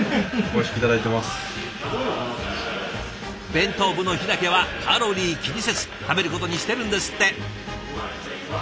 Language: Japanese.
弁当部の日だけはカロリー気にせず食べることにしてるんですって。